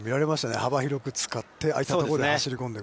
幅広く使って、あいたところに走り込んでいく。